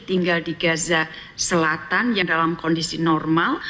tinggal di gaza selatan yang dalam kondisi normal